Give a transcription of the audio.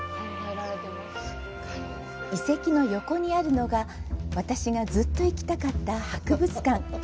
遺跡の横にあるのが私がずっと行きたかった博物館。